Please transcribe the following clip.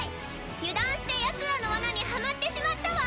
油断してヤツらの罠にはまってしまったわ。